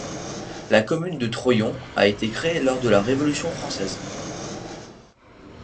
La commune de Troyon a été créée lors de la Révolution française.